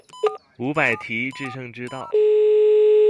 五百題致勝之道